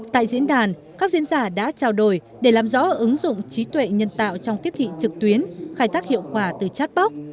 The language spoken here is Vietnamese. tại diễn đàn các diễn giả đã trao đổi để làm rõ ứng dụng trí tuệ nhân tạo trong tiếp thị trực tuyến khai thác hiệu quả từ chatbox